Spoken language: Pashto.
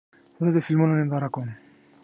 زه د فلمونو ننداره کوم.